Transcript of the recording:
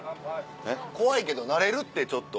怖いけど慣れるってちょっと。